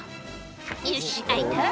「よし開いた」